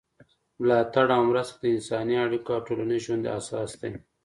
ملاتړ او مرسته د انساني اړیکو او ټولنیز ژوند اساس دی.